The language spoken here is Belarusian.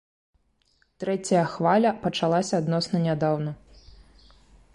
Трэцяя хваля пачалася адносна нядаўна.